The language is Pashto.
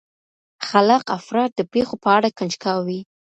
خلاق افراد د پېښو په اړه کنجکاو وي.